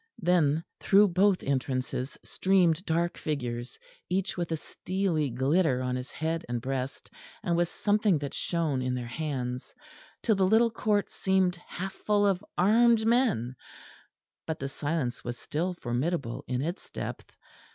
Then through both entrances streamed dark figures, each with a steely glitter on head and breast, and with something that shone in their hands; till the little court seemed half full of armed men; but the silence was still formidable in its depth.